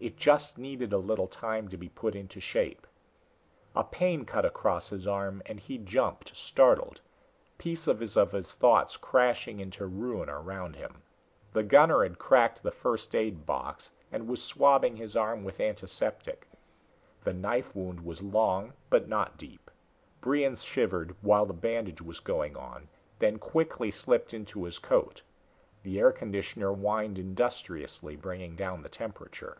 It just needed a little time to be put into shape. A pain cut across his arm and he jumped, startled, pieces of his thoughts crashing into ruin around him. The gunner had cracked the first aid box and was swabbing his arm with antiseptic. The knife wound was long, but not deep. Brion shivered while the bandage was going on, then quickly slipped into his coat. The air conditioner whined industriously, bringing down the temperature.